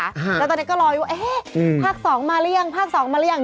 แล้วตอนนี้ก็รออยู่ว่าภาค๒มารึยัง